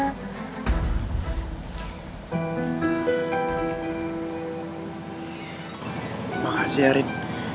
terima kasih arin